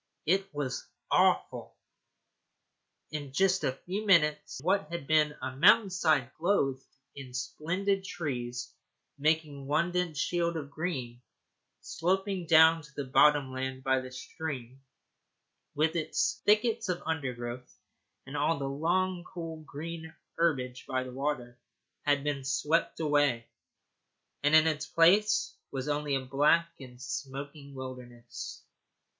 It was awful. Just a few minutes, and what had been a mountain side clothed in splendid trees, making one dense shield of green, sloping down to the bottom land by the stream, with its thickets of undergrowth, and all the long cool green herbage by the water, had been swept away, and in its place was only a black and smoking wilderness.